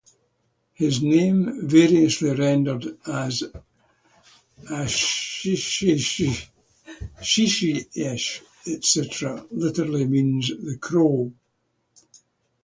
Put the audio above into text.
His name, variously rendered as "Ashishishe", "Shishi'esh", etc., literally means "the Crow".